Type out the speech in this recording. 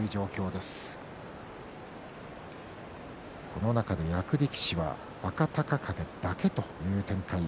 この中で役力士は若隆景だけという展開。